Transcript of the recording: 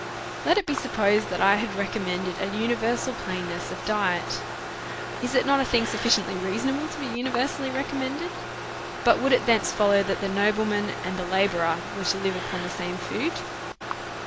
Let it be supposed that I had recommended an uni versal plainness of diet ; is it not a thing sufficiently reasonable to be universally recommended? But would it thence follow that the nobleman and the la bourer were to live upon the same food?